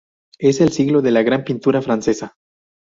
Es el siglo de la gran pintura francesa.